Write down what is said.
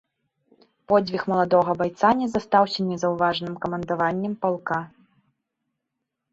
Подзвіг маладога байца не застаўся незаўважаным камандаваннем палка.